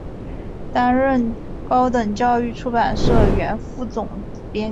担任高等教育出版社原副总编辑。